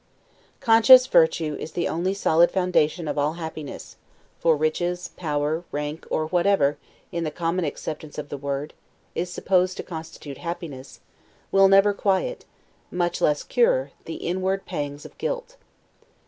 Conscious virtue is the only solid foundation of all happiness; for riches, power, rank, or whatever, in the common acceptation of the word, is supposed to constitute happiness, will never quiet, much less cure, the inward pangs of guilt.